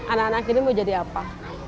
anak anak ini mau jadi apa